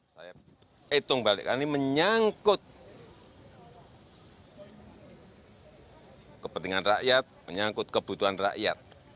saya hitung balik ini menyangkut kepentingan rakyat menyangkut kebutuhan rakyat